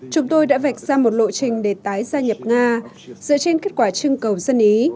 chúng tôi đã vạch ra một lộ trình để tái gia nhập nga dựa trên kết quả trưng cầu dân ý